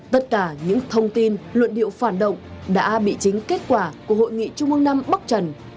tất cả những thông tin luận điệu phản động đã bị chính kết quả của hội nghị trung ương năm bắc trần